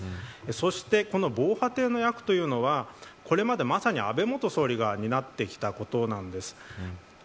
そしてこの防波堤の役というのはこれまで、まさに安倍元総理が担ってきたことなんです。